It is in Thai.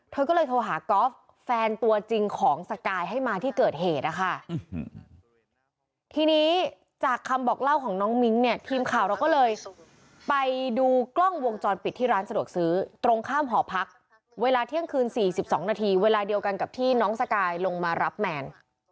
เธอก็เลยโทรหากอล์ฟแฟนตัวจริงของสกายให้มาที่เกิดเหตุนะคะทีนี้จากคำบอกเล่าของน้องมิ้งเนี่ยทีมข่าวเราก็เลยไปดูกล้องวงจรปิดที่ร้านสะดวกซื้อตรงข้ามหอพักเวลาเที่ยงคืน๔๒นาทีเวลาเดียวกันกับที่น้องสกายลงมารับแมน